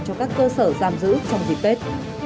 cho các cơ sở giam giữ trong dịp tết